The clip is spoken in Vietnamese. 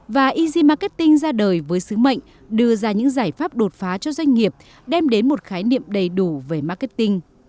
và easy marketing ra đời với sứ mệnh đưa ra những giải pháp đột phá cho doanh nghiệp đem đến một khái niệm đầy đủ về marketing